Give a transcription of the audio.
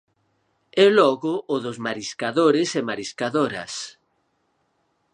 E logo o dos mariscadores e mariscadoras.